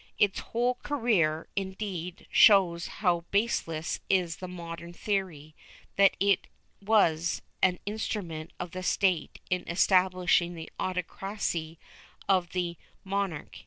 Its whole career, indeed, shows how baseless is the modern theory that it was an instrument of the State in establishing the autocracy of the mon arch.